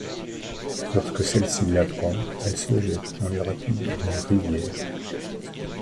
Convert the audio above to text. Lorsque celle-ci l'apprend, elle se jette dans les rapides d'une rivière.